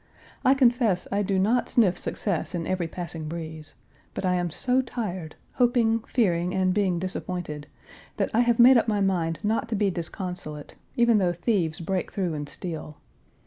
I confess I do not sniff success in every passing breeze, but I am so tired, hoping, fearing, and being disappointed, that I have made up my mind not to be disconsolate, even though thieves break through and steal.